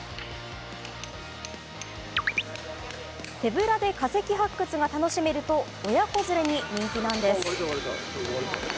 手ぶらで化石発掘が楽しめると親子連れに人気なんです。